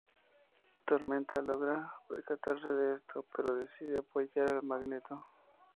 Tormenta logra percatarse de esto, pero decide apoyar a Magneto.